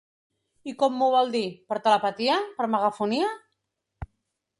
I com m'ho vol dir, per telepatia, per megafonia?